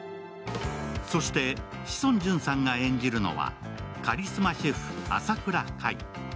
そして、志尊淳さんが演じるのはカリスマシェフ・朝倉海。